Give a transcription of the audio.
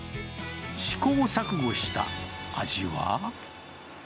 試行錯誤した味は？